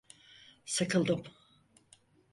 Sıkıldım.